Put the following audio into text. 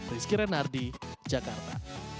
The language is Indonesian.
rizky renardi jakarta